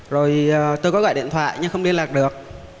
rồi tôi có gọi điện thoại nhưng không liên lạc được